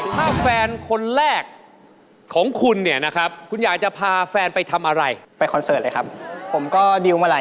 ถ้าเป็นแฟนนี้แล้ว